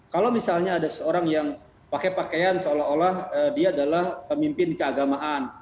kalau misalnya ada seorang yang pakai pakaian seolah olah dia adalah pemimpin keagamaan